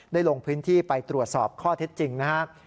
ลงพื้นที่ไปตรวจสอบข้อเท็จจริงนะครับ